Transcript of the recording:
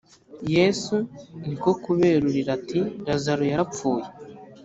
yesu ni ko kuberurira ati lazaro yarapfuye